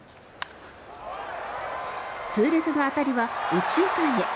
痛烈な当たりは右中間へ。